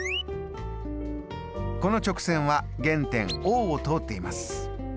この直線は原点Ｏを通っています。